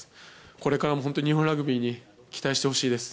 これからも本当、日本ラグビーに期待してほしいです。